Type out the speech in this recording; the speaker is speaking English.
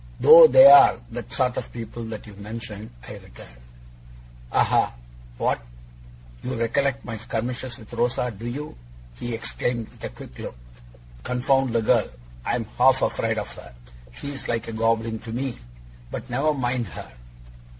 'Though they ARE that sort of people that you mentioned,' I returned. 'Aha! What! you recollect my skirmishes with Rosa, do you?' he exclaimed with a quick look. 'Confound the girl, I am half afraid of her. She's like a goblin to me. But never mind her.